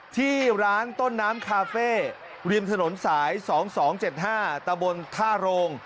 ที่ร้านต้นน้ำคาเฟ่ริมถนนสาย๒๒๗๕ตะบนท่าโรง